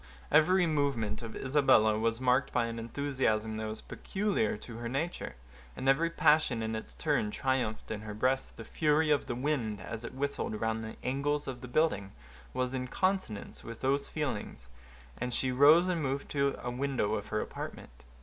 Every movement of Isabella was marked by an enthusiasm that was peculiar to her nature, and every passion in its turn triumphed in her breast. The fury of the wind, as it whistled round the angles of the building, was in consonance with those feelings, and she rose and moved to a window of her apartment.